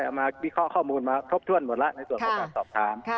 มาวิเคราะห์ข้อมูลมาครบถ้วนหมดแล้วในส่วนของการสอบถาม